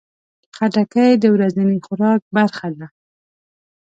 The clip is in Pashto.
خټکی د ورځني خوراک برخه ده.